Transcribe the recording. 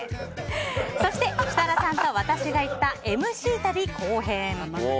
そして設楽さんと私が行ったＭＣ旅後編！